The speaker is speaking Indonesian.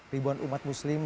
ribuan umat muslim